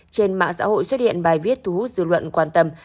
trên mạng xã hội xuất hiện bài viết thu hút dư luận quan tâm